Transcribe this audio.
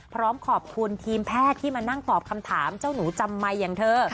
พร้อมขอบคุณทีมแพทย์ที่มานั่งตอบคำถามเจ้าหนูจำไมค์อย่างเธอ